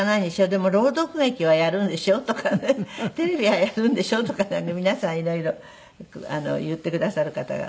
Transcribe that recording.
「でも朗読劇はやるんでしょ？」とかね「テレビはやるんでしょ？」とか皆さん色々言ってくださる方が多いんで。